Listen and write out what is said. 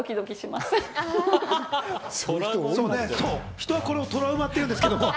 人はこれをトラウマっていうんですけどね。